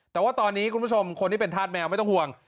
แต่ว่าตอนนี้คุณผู้ชมคนที่เป็นธาตุแมวไม่ต้องห่วง